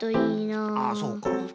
ああそうか。